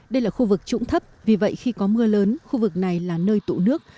đây là khu vực trũng thấp vì vậy khi có mưa lớn khu vực này là nơi tụ nước